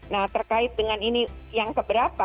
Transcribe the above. nah terkait dengan ini yang keberapa